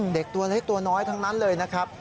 ตัวเล็กตัวน้อยทั้งนั้นเลยนะครับ